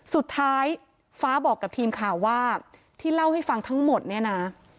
สุดท้ายฟ้าบอกกับทีมข่าวว่าที่เล่าให้ฟังทั้งหมดเนี่ยนะ